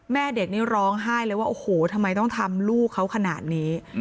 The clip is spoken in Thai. แม่เด็กนี่ร้องไห้เลยว่าโอ้โหทำไมต้องทำลูกเขาขนาดนี้